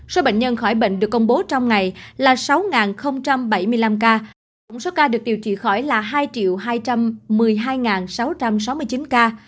số bệnh nhân khỏi bệnh được công bố trong ngày là sáu bảy mươi năm ca tổng số ca được điều trị khỏi là hai hai trăm một mươi hai sáu trăm sáu mươi chín ca